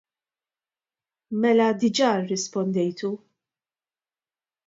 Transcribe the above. Mela diġà rrispondejtu.